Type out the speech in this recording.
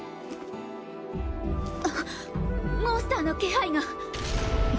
あっモンスターの気配が！